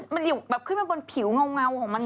มันอยู่แบบขึ้นมาบนผิวเงาของมันอย่างนี้หรอ